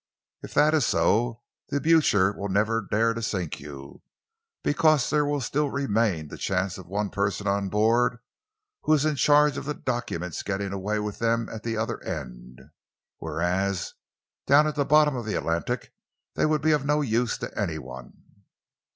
If that is so, the Blucher will never dare to sink you, because there will still remain the chance of the person on board who is in charge of the documents getting away with them at the other end, whereas down at the bottom of the Atlantic they would be of no use to any one."